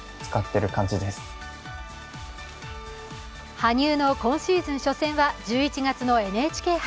羽生の今シーズン初戦は１１月のＮＨＫ杯。